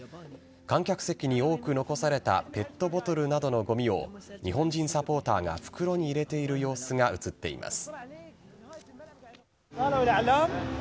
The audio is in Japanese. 観客席に多く残されたペットボトルなどのごみを日本人サポーターが袋に入れている様子が映っています。